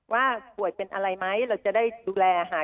ว่าป่วยเป็นอะไรไหมเราจะได้ดูแลหา